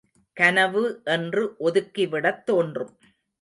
கனவு என்று ஒதுக்கிவிடத் தோன்றும்.